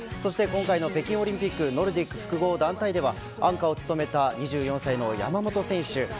今回の北京オリンピックノルディック複合団体ではアンカーを務めた２４歳の山本選手。